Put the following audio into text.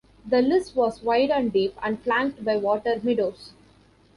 The Lys was wide and deep and flanked by water meadows.